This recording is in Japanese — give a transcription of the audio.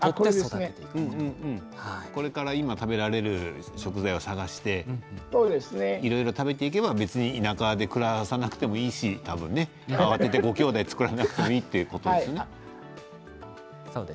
これから食べられる食材を探して、いろいろ食べていけば別に田舎で暮らさなくてもいいし多分ね慌てて、ごきょうだい作らなくてもいいとね。